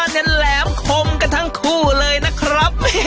เนี่ยแหลมคมกันทั้งคู่เลยนะครับ